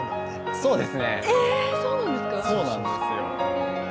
そうなんですよ。